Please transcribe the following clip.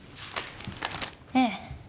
ええ。